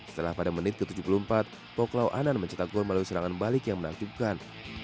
setelah pada menit ke tujuh puluh empat poklao anan mencetak gol melalui serangan balik yang menakjubkan